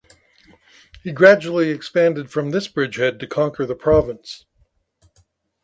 He gradually expanded from this bridgehead to conquer the province.